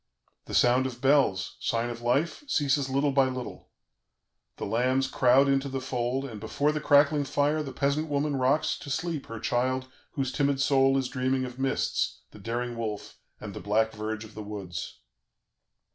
"The sound of bells, sign of life, ceases little by little; the lambs crowd into the fold, and before the crackling fire the peasant woman rocks to sleep her child whose timid soul is dreaming of mists, the daring wolf, and the black verge of the woods.